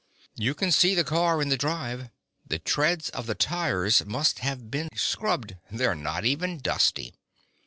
You can see the car in the drive; the treads of the tires must have just been scrubbed; they're not even dusty.